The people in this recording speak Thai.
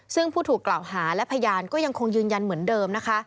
ซึ่งผู้ถูกกล่าวหาและพยานก็ยังคงยืนยันเหมือนเดิมนะคะ